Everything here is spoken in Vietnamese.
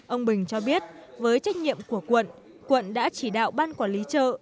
ông bình cho biết với trách nhiệm của quận quận đã chỉ đạo ban quản lý chợ